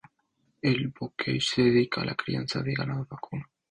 El "bocage" se dedica a la crianza de ganado vacuno.